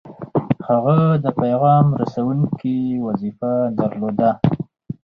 هغه د پیغام رسوونکي وظیفه درلوده.